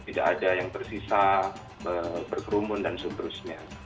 tidak ada yang tersisa berkerumun dan seterusnya